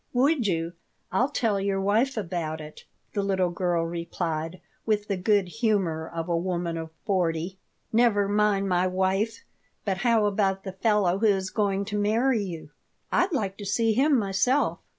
"Would you? I'll tell your wife about it," the little girl replied, with the good humor of a woman of forty "Never mind my wife. But how about the fellow who is going to marry you?" "I'd like to see him myself.